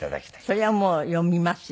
そりゃもう読みますよ。